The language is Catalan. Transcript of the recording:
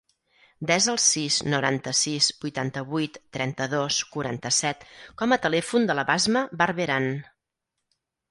Desa el sis, noranta-sis, vuitanta-vuit, trenta-dos, quaranta-set com a telèfon de la Basma Barberan.